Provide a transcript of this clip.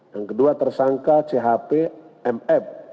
yang kedua tersangka chp mf